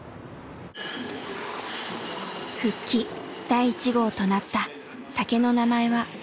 復帰第１号となった酒の名前は。